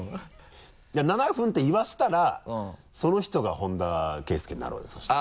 ７分って言わせたらその人が本田圭佑になろうよそしたら。